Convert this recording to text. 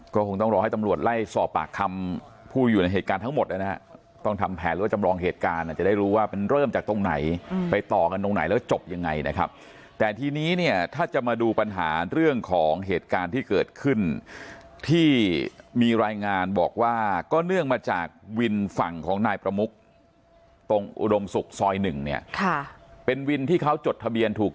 ก็คงต้องรอให้ตำรวจไล่สอบปากคำผู้อยู่ในเหตุการณ์ทั้งหมดนะฮะต้องทำแผนหรือว่าจำลองเหตุการณ์อาจจะได้รู้ว่ามันเริ่มจากตรงไหนไปต่อกันตรงไหนแล้วจบยังไงนะครับแต่ทีนี้เนี่ยถ้าจะมาดูปัญหาเรื่องของเหตุการณ์ที่เกิดขึ้นที่มีรายงานบอกว่าก็เนื่องมาจากวินฝั่งของนายประมุกตรงอุดมศุกร์ซอยหนึ่งเนี่ยค่ะเป็นวินที่เขาจดทะเบียนถูก